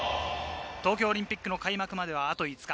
東京オリンピックの開幕まではあと５日。